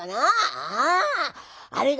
「ああ。